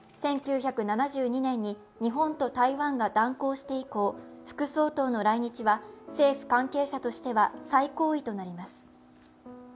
１９７２年に日本と台湾が断交して以降、副総統の来日は政府関係者としては最高位となります。